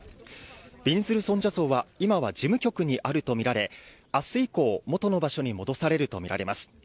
びんずる尊者像は今は事務局にあるとみられ明日以降元の場所に戻されるとみられます。